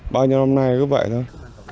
bao nhiêu năm nay cũng vậy thôi